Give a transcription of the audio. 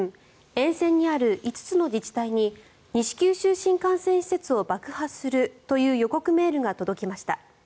沿線にある５つの自治体に西九州新幹線施設を爆破するという予告メールが届きました。